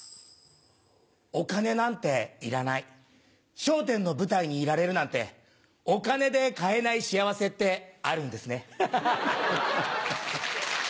お金なんていらない、笑点の舞台にいられるなんて、お金で買えない幸せってあるんですね。